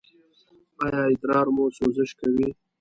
ایا ادرار مو سوزش کوي؟